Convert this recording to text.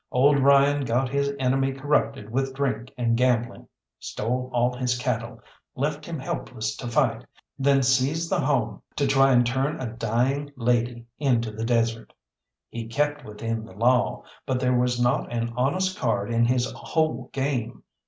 Old Ryan got his enemy corrupted with drink and gambling, stole all his cattle, left him helpless to fight, then seized the home to try and turn a dying lady into the desert. He kept within the law, but there was not an honest card in his whole game.